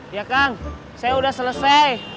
ya kang saya udah selesai